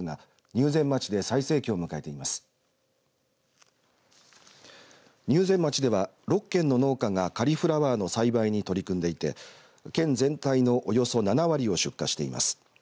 入善町では６軒の農家がカリフラワーの栽培に取り組んでいて県全体のおよそ７割を出荷しています。